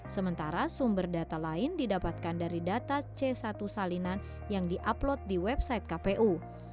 sementara sumber data lain didapatkan dari data c satu salinan yang di upload di website kpu